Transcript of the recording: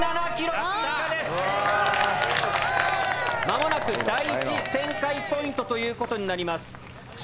間もなく第１旋回ポイントという事になります。